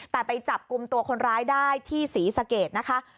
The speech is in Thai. แต่ไปจับกลุ่มตัวคนร้ายได้ที่ศรีสะเกดนะคะ